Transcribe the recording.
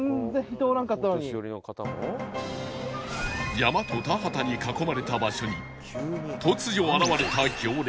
山と田畑に囲まれた場所に突如現れた行列